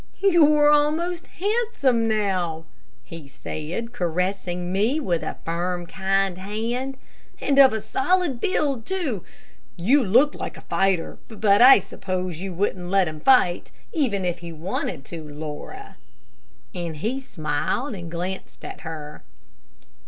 "You're almost handsome now," he said, caressing me with a firm, kind hand, "and of a solid build, too. You look like a fighter but I suppose you wouldn't let him fight, even if he wanted to, Laura," and he smiled and glanced at her.